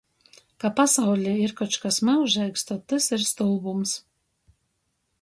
Ka pasaulī ir koč kas myužeigs, tod tys ir stulbums.